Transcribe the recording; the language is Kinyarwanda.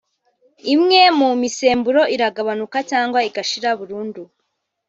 imwe mu misemburo iragabanuka cyangwa igashira burundu